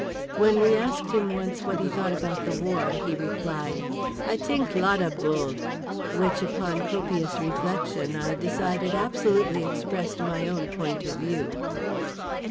When we asked him once what he thought about the war, he replied, "I t'ink lotta bull—," which, upon copious reflection, I decided absolutely expressed my own point of view.